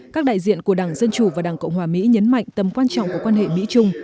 các đại diện của đảng dân chủ và đảng cộng hòa mỹ nhấn mạnh tầm quan trọng của quan hệ mỹ trung